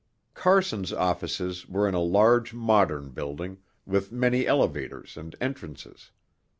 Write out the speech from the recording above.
Carson's offices were in a large modern building, with many elevators and entrances.